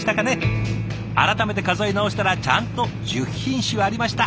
改めて数え直したらちゃんと１０品種ありました！